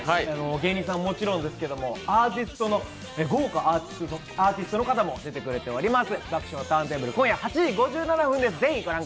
芸人さんはもちろんですけど、豪華アーティストの方も出てくれております。